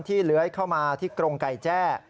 เลื้อยเข้ามาที่กรงไก่แจ้